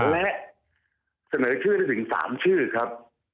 และเสนอชื่อได้ถึง๓ชื่อครับ